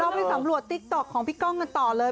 เราไปสำรามติ๊กต๊อกของพิกกองกันต่อเลย